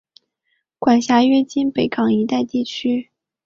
管辖约今北港一带区域。